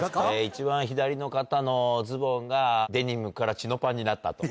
一番左の方のズボンがデニムからチノパンになった。